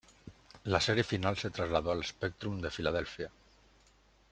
La serie final se trasladó al Spectrum de Filadelfia.